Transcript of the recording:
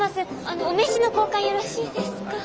あのお名刺の交換よろしいですか。